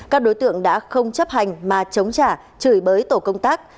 các đối tượng đã không chấp hành mà chống trả chửi bới tổ công tác